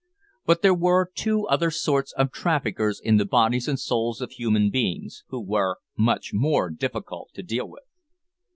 But there were two other sorts of traffickers in the bodies and souls of human beings, who were much more difficult to deal with.